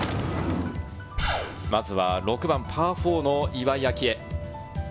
まずは６番、パー４の岩井明愛。